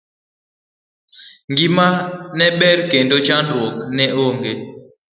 Ngima ne ber kendo chandruok ne onge.